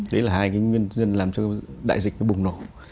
đấy là hai nguyên nhân làm cho đại dịch bùng nổ